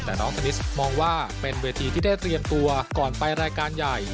แต่น้องเทนนิสมองว่าเป็นเวทีที่ได้เตรียมตัวก่อนไปรายการใหญ่